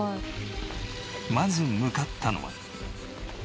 まず向かったのは。